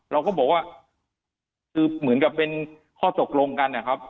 เราก็บอกว่าคือเหมือนกับเป็นข้อตกลงกันนะครับ